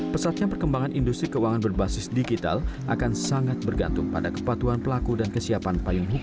pesatnya perkembangan industri keuangan berbasis digital akan sangat bergantung pada kepatuhan pelaku fintech